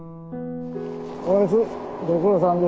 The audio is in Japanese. ご苦労さんです。